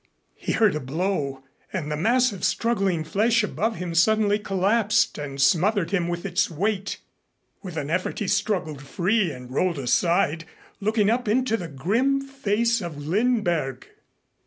He heard a blow, and the mass of struggling flesh above him suddenly collapsed and smothered him with its weight. With an effort he struggled free and rolled aside, looking up into the grim face of Lindberg.